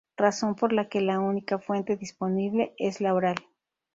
Razón por la que la única fuente disponible es la oral.